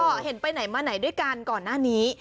ก็เห็นไปไหนมาไหนด้วยกันก่อนหน้านี้